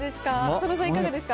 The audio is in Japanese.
浅野さん、いかがですか。